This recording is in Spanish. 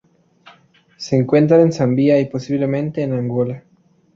Se encuentra en Zambia y, posiblemente en Angola.